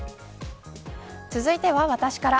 続いては私から。